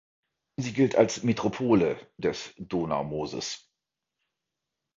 Sie gilt als „Metropole“ des Donaumooses.